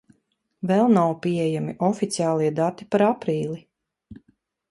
Vēl nav pieejami oficiālie dati par aprīli.